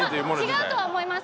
違うとは思います。